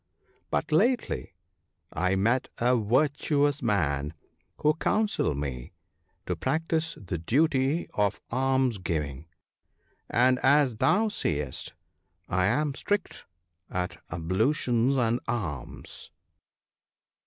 But lately I met a virtuous man who counselled me to practise the duty of almsgiving — and, as thou seest, I am strict at ablutions and alms.